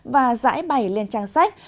và dãi bày lên trang sách